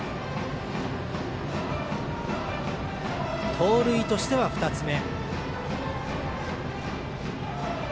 盗塁としては２つ目。